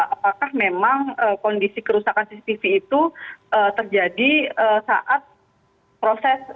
apakah memang kondisi kerusakan cctv itu terjadi saat proses